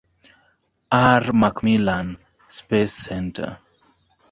R. MacMillan Space Centre.